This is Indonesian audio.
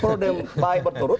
perode yang baik berturut